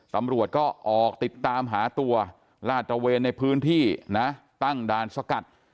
ตำรวจก็ออกติดตามหาตัวลาดตระเวนในพื้นที่นะตั้งด่านสกัด